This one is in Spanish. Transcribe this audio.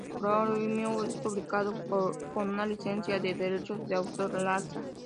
Chromium es publicado con una licencia de derechos de autor laxa.